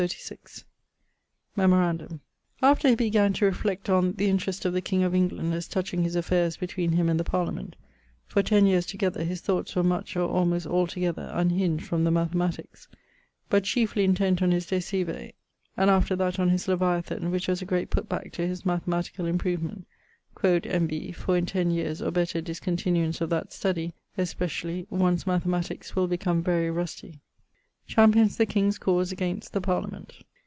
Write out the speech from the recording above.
Memorandum After he began to reflect on the interest of the king of England as touching his affaires between him and the parliament, for ten yeares together his thoughts were much, or almost altogether, unhinged from the mathematiques; but chiefly intent on his De Cive, and after that on his Leviathan: which was a great putt back to his mathematicall improvement quod N.B. for in ten yeares' (or better) discontinuance of that study (especially) one's mathematiques will become very rusty. <_Champions the king's cause against the parliament.